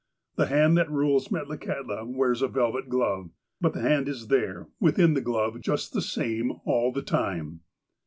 The hand that rules Metla kahtla wears a velvet glove. But the hand is there within the glove just the same all the time.